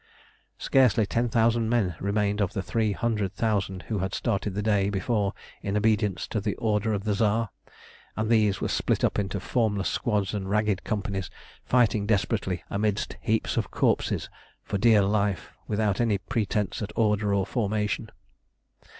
Scarcely ten thousand men remained of the three hundred thousand who had started the day before in obedience to the order of the Tsar; and these were split up into formless squads and ragged companies fighting desperately amidst heaps of corpses for dear life, without any pretence at order or formation.